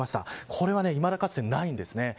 これはいまだかつてないんですね。